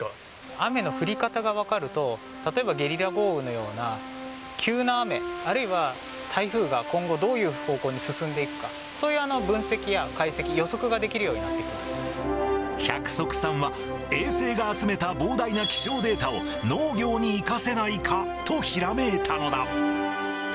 雨の降り方が分かると、例えばゲリラ豪雨のような急な雨、あるいは台風が今後、どういう方向に進んでいくか、そういう分析や解析、予測ができるようになっ百束さんは、衛星が集めた膨大な気象データを農業に生かせないかとひらめいたのだ。